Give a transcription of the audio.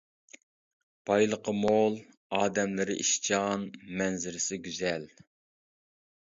بايلىقى مول، ئادەملىرى ئىشچان، مەنزىرىسى گۈزەل.